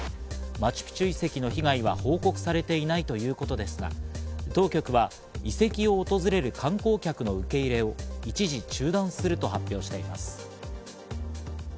マチュピチュ遺跡の被害は報告されていないということですが、当局は遺跡を訪れる観光客の受け入れを一時中断すると発表しています。